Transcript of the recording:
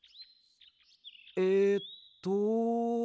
えっと。